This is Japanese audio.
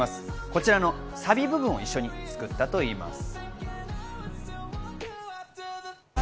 こちらのサビ部分を一緒に作ったといいます。